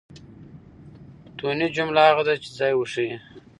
توني؛ جمله هغه ده، چي ځای وښیي.